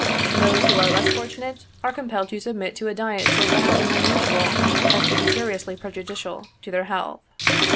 Those who are less fortunate, are com pelled to submit to a diet so bad and unusual, as to be seriously prejudicial to their health.